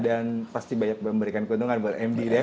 dan pasti banyak memberikan keuntungan buat md ya